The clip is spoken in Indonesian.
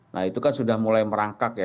nah itu kan sudah mulai merangkak ya